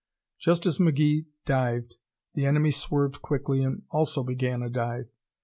Just as McGee dived the enemy swerved quickly and also began a dive.